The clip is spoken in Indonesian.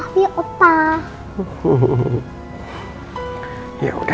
salim dulu sama opa blok dulu opa